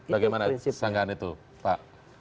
bagaimana kesangkaan itu pak